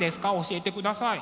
教えてください。